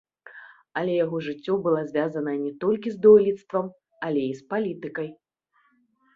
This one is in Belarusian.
Але яго жыццё была звязаная не толькі з дойлідствам, але і з палітыкай.